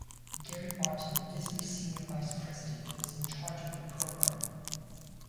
Gary Barton, a Disney senior vice president, was in charge of the program.